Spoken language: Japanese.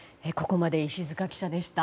ここまで石塚記者でした。